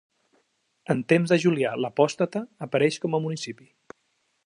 En temps de Julià l'Apòstata apareix com a municipi.